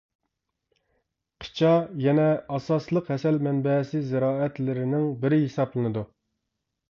قىچا يەنە ئاساسلىق ھەسەل مەنبەسى زىرائەتلىرىنىڭ بىرى ھېسابلىنىدۇ.